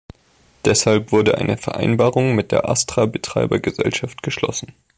Deshalb wurde eine Vereinbarung mit der Astra-Betreibergesellschaft geschlossen.